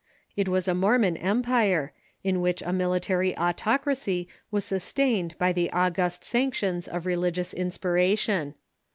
It was a Mormon empire, in which a military autocracy was sustained by the august sanctions of religious inspiration.